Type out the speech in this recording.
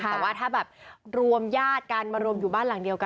แต่ว่าถ้าแบบรวมญาติกันมารวมอยู่บ้านหลังเดียวกัน